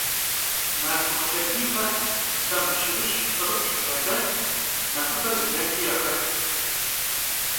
Nartıxu lhediy khes semb şırış, plh'ırıplh' yadett, nexhıbe zıdeti yaxett.